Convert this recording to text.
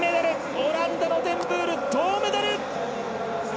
オランダのデンブール銅メダル！